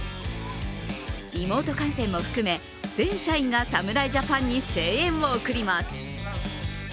リモート観戦も含め、全社員が侍ジャパンに声援を送ります。